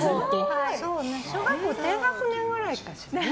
小学校低学年くらいかしらね。